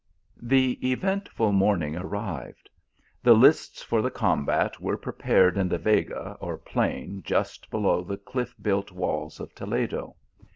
The eventful morning arrived. The lists for the combat were prepared in the Vega or plain just below the cliff built walls of Toledo.